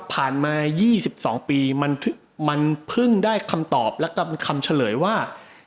มา๒๒ปีมันเพิ่งได้คำตอบและคำเฉลยว่า